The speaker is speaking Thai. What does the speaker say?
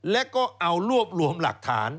และก็เอารวบรวมหลักฐาน